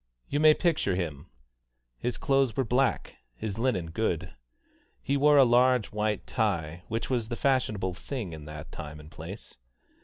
You may picture him. His clothes were black, his linen good. He wore a large white tie, which was the fashionable thing in that time and place.